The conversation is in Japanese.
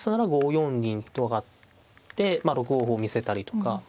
四銀と上がって６五歩を見せたりとか。